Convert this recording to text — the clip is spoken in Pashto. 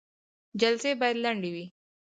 جلسې باید لنډې وي